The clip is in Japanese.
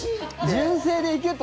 純正で行けと。